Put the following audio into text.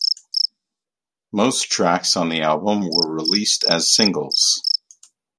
Most tracks on the album were released as a singles.